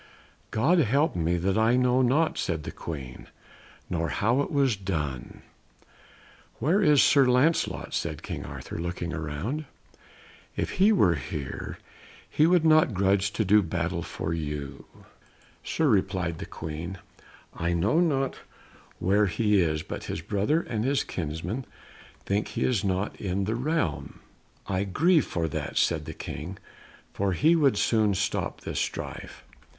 "God help me, that I know not," said the Queen, "nor how it was done." "Where is Sir Lancelot?" said King Arthur, looking round. "If he were here he would not grudge to do battle for you." "Sir," replied the Queen, "I know not where he is, but his brother and his kinsmen think he is not in this realm." "I grieve for that," said the King, "for he would soon stop this strife.